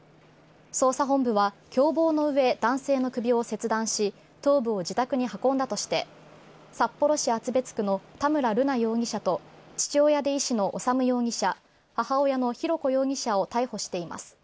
捜査本部は共謀のうえ男性の首を切断し頭部を自宅に運んだとして札幌市厚別区の田村瑠奈容疑者と父親で医師の修容疑者母親の浩子容疑者を逮捕しています。